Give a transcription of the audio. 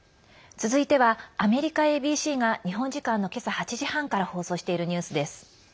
続いては、アメリカＡＢＣが日本時間の今朝８時半から放送しているニュースです。